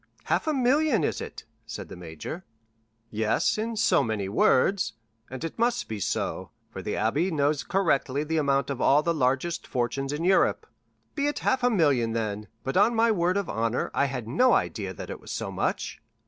"Half a million, is it?" said the major. "Yes, in so many words; and it must be so, for the abbé knows correctly the amount of all the largest fortunes in Europe." "Be it half a million, then; but on my word of honor, I had no idea that it was so much."